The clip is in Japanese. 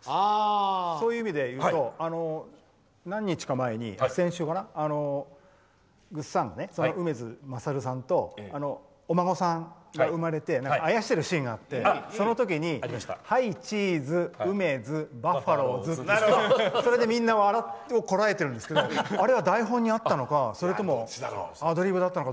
そういう意味で言うと何日か前に、ぐっさん梅津勝さんがお孫さんが生まれてあやしてるシーンがあってその時にはいチーズうめづ、バッファローズってやって、それでみんな笑いをこらえてるんですけどあれは台本にあったのかそれともアドリブだったのか。